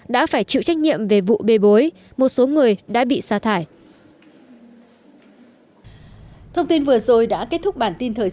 đã phải chịu trách nhiệm về vụ bê bối một số người đã bị xa thải